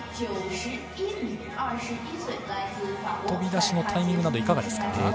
飛び出しのタイミングなどいかがですか。